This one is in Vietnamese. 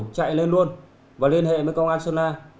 chạy lên luôn và liên hệ với công an sơn la